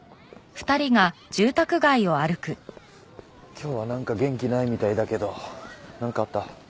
今日はなんか元気ないみたいだけどなんかあった？